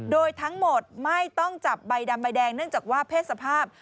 โดยทั้งหมดไม่ต้องจับใบดำใบแดงเนื่องจากว่าเพศสภาพ